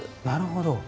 なるほど。